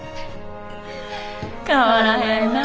変わらへんなぁ。